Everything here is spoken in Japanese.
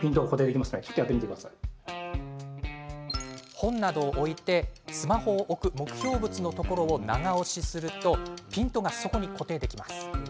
本などを置いて、スマホを置く目標物のところを長押しするとピントがそこに固定できるんです。